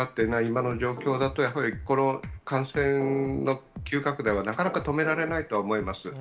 今の状況だと、やはり、この感染の急拡大は、なかなか止められないとは思います。